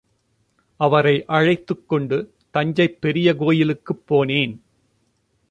அவரை அழைத்துக் கொண்டு தஞ்சைப் பெரிய கோயிலுக்குப் போனேன்.